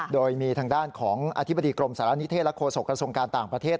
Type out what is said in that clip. โดยมีทางด้านของอธิบดีกรมสารณิเทศและโฆษกระทรวงการต่างประเทศ